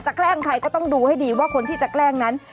แกล้งใครก็ต้องดูให้ดีว่าคนที่จะแกล้งนั้น